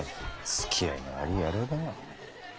つきあいの悪い野郎だな。